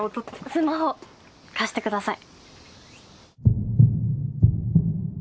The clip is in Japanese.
スマホ貸してください。